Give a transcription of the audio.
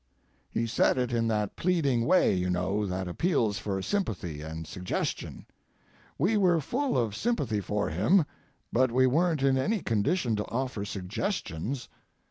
He said it in that pleading way, you know, that appeals for sympathy and suggestion; we were full of sympathy for him, but we weren't in any condition to offer suggestions.